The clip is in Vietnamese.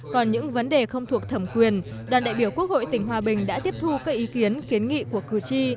còn những vấn đề không thuộc thẩm quyền đoàn đại biểu quốc hội tỉnh hòa bình đã tiếp thu các ý kiến kiến nghị của cử tri